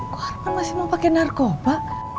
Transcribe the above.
kok kan masih mau pakai narkoba